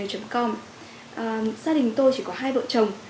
gia đình tôi chỉ có hai bộ chồng